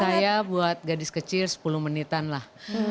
saya buat gadis kecil sepuluh menitan lah